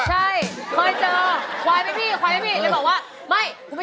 ใช่ค่อยเจอควายไหมพี่ควายไหมพี่